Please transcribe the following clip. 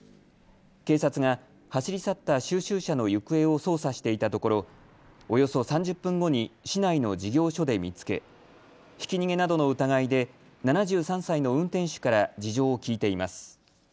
警察が走り去った収集車の行方を捜査していたところおよそ３０分後に市内の事業所で見つけ、ひき逃げなどの疑いで７３歳の運転手から事情を聴いています。